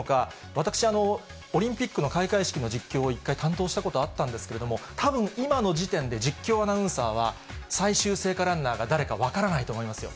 私、オリンピックの開会式の実況を１回担当したことあるんですけれども、たぶん、今の時点で実況アナウンサーは、最終聖火ランナーが誰か分からないと思いますよ。